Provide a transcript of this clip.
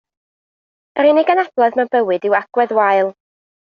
Yr unig anabledd mewn bywyd yw agwedd wael